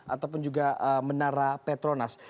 ataupun juga menara petronas